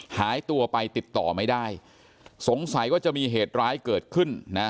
หายตัวไปติดต่อไม่ได้สงสัยว่าจะมีเหตุร้ายเกิดขึ้นนะ